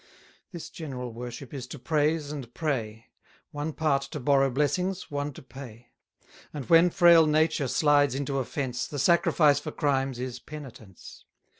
This general worship is to praise and pray: 50 One part to borrow blessings, one to pay: And when frail nature slides into offence, The sacrifice for crimes is penitence.